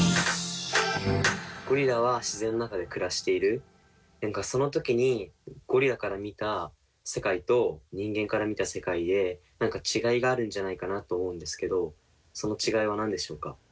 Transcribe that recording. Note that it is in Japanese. ゴリラは自然の中で暮らしている何かその時にゴリラから見た世界と人間から見た世界で何か違いがあるんじゃないかと思うんですけどその違いは何でしょうか？